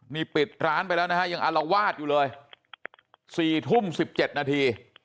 นี่ปิดร้านไปแล้วนะฮะยังอารวาสอยู่เลย๔ทุ่ม๑๗นาที